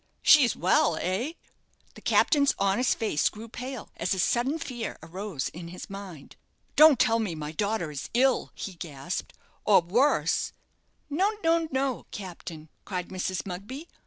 She's well eh?" The captain's honest face grew pale, as a sudden fear arose in his mind. "Don't tell me my daughter is ill," he gasped; "or worse " "No, no, no, captain," cried Mrs. Mugby.